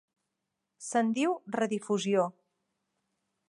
Se'n diu redifusió.